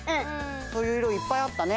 そういういろいっぱいあったね。